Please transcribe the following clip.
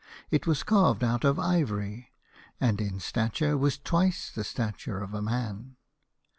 It was carved out of ivory, and in stature was twice the stature of a man.